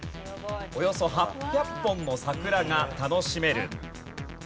およそ８００本の桜が楽しめる。